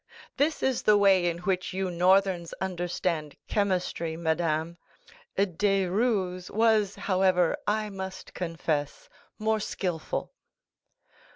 This is the way in which you Northerns understand chemistry, madame. Desrues was, however, I must confess, more skilful."